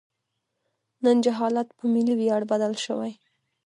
نن جهالت په ملي ویاړ بدل شوی.